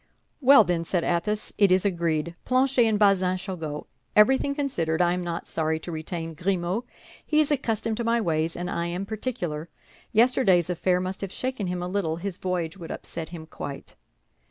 "Well, then," said Athos, "it is agreed. Planchet and Bazin shall go. Everything considered, I am not sorry to retain Grimaud; he is accustomed to my ways, and I am particular. Yesterday's affair must have shaken him a little; his voyage would upset him quite."